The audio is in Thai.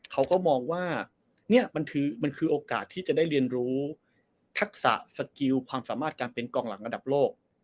เขาก็มองว่านี่มันคือมันคือโอกาสที่จะได้เรียนรู้ทักษะสกิลความสามารถการเป็นกองหลังระดับโลก